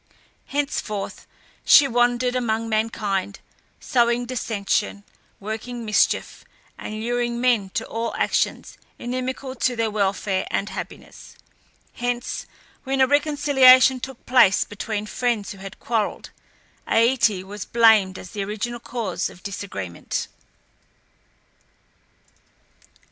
Henceforth she wandered among mankind, sowing dissension, working mischief, and luring men to all actions inimical to their welfare and happiness. Hence, when a reconciliation took place between friends who had quarrelled, Ate was blamed as the original cause of disagreement.